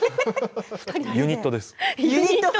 ユニットです。